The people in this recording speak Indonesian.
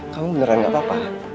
kamu beneran gak apa apa